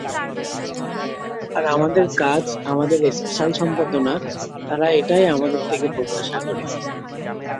আর আমাদের কাজ, আমাদের স্পেশাল সম্পাদনা, তারা এটাই আমাদের থেকে প্রত্যাশা করে।